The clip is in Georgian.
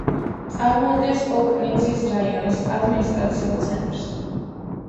წარმოადგენს ოკნიცის რაიონის ადმინისტრაციულ ცენტრს.